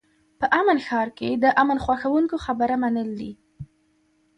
په امن ښار کې د امن خوښوونکو خبره منل دي.